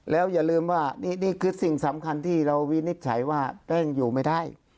แล้วอย่าลืมว่านี่คือสิ่งสำคัญที่เราวินิจฉัยว่าแป้งอยู่ไม่ได้